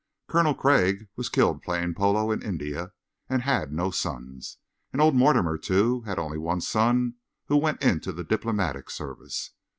Colonel Craig was killed playing polo in India, and had no sons, and old Mortimer, too, had only one son, who went into the diplomatic service.